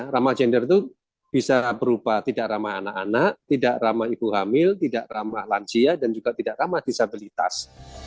ramah gender itu bisa berupa tidak ramah anak anak tidak ramah ibu hamil tidak ramah lansia dan juga tidak ramah disabilitas